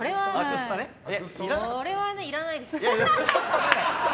それはね、いらないです。